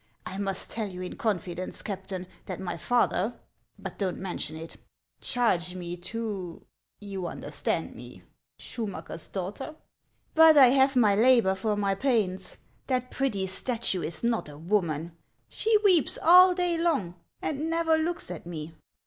. I must tell you in confidence, Captain, that my father, — but don't 42 HANS OF ICELAND. mention it, — charged me to — you understand me — Scliu macker's daughter. P>ut I have my labor for my pains; that pretty statue is not a woman ; she weeps all day long and never looks at me."